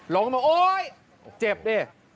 ลงมาโอ๊ยเจ็บดิ